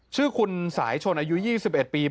ชื่อคุณสายชนปี๒๑บอกให้ฟัง